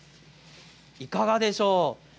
いかがでしょうか。